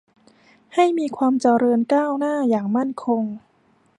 ให้มีความเจริญก้าวหน้าอย่างมั่นคง